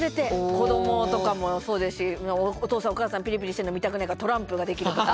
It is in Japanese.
子どもとかもそうですしお父さんお母さんピリピリしてるの見たくないからトランプができるとか。